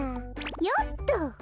よっと。